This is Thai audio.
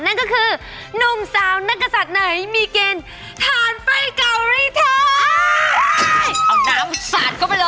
นั่นก็คือนุ่มสาวนักศัตริย์ไหนมีเกณฑ์ทานไฟเก่ารีเท้า